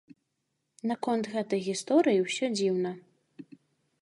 Наконт гэтай гісторыі ўсё дзіўна.